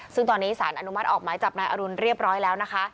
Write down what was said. ซึ่งตอนนี้สารอนุมัติออกหมายจับนายอรุณเรียบร้อยแล้วนะคะ